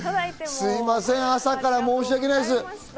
すみません、朝から申し訳ないです。